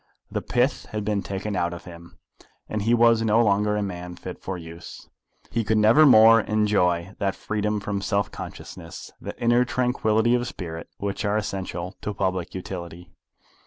The pith had been taken out of him, and he was no longer a man fit for use. He could never more enjoy that freedom from self consciousness, that inner tranquillity of spirit, which are essential to public utility.